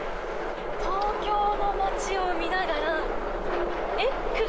東京の街を見ながら、え？